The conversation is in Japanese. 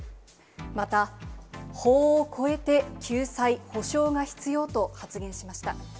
また、法を超えて救済・補償が必要と発言しました。